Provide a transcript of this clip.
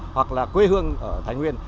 hoặc là quê hương ở thái nguyên